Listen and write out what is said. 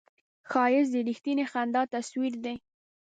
ښایست د رښتینې خندا تصویر دی